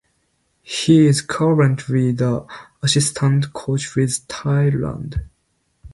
He is currently the assistant coach with Thailand.